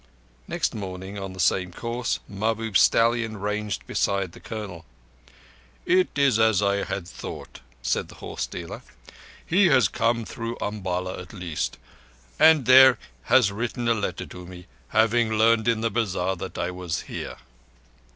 Next morning, on the same course, Mahbub's stallion ranged alongside the Colonel. "It is as I had thought," said the horse dealer. "He has come through Umballa at least, and there he has written a letter to me, having learned in the bazar that I was here."